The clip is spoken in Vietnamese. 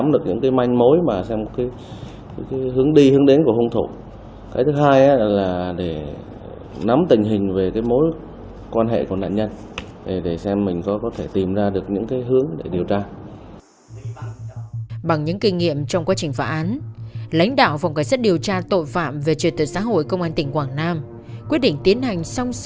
một mối trinh sát được cử đi đến xác minh các mối quan hệ thân quen của nạn nhân và gia đình nạn nhân